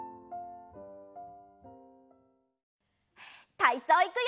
たいそういくよ！